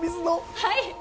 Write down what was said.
はい！